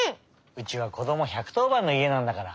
うちはこども１１０ばんのいえなんだから。